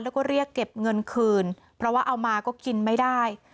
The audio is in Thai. แล้วก็เรียกเก็บเงินคืนเพราะว่าเอามาก็กินไม่ได้